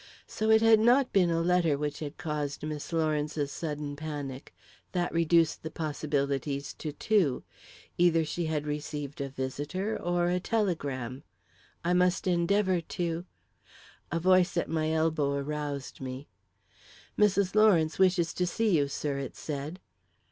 So it had not been a letter which had caused Miss Lawrence's sudden panic. That reduced the possibilities to two. Either she had received a visitor or a telegram. I must endeavour to A voice at my elbow aroused me. "Mrs. Lawrence wishes to see you, sir," it said.